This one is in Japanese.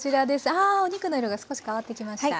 ああお肉の色が少し変わってきました。